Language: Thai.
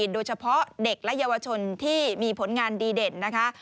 โดยเฉพาะเด็กและเยาวชนที่มีผลงานดีเด่นนะคะ